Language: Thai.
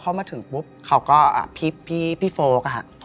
พอเข้ามาถึงปุ๊บเขาก็พี่โฟกอะ